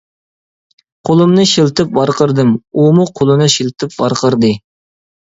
قولۇمنى شىلتىپ ۋارقىرىدىم، ئۇمۇ قولىنى شىلتىپ ۋارقىرىدى.